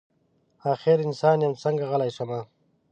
اخر انسان یم څنګه غلی شمه.